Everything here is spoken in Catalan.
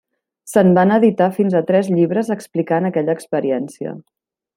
Se'n van editar fins a tres llibres explicant aquella experiència.